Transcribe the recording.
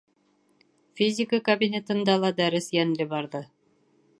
Физика кабинетында ла дәрес йәнле барҙы.